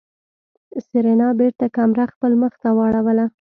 سېرېنا بېرته کمره خپل مخ ته واړوله.